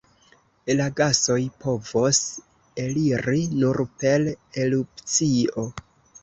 La gasoj povos eliri nur per erupcio.